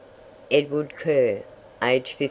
"Edward Curr, aged 52.